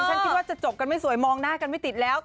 ฉันคิดว่าจะจบกันไม่สวยมองหน้ากันไม่ติดแล้ว